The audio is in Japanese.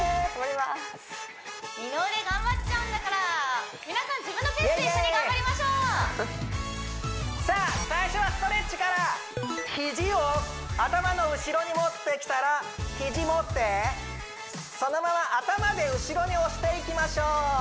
二の腕頑張っちゃうんだから皆さん自分のペースで一緒に頑張りましょうさあ最初はストレッチから肘を頭の後ろに持ってきたら肘持ってそのまま頭で後ろに押していきましょう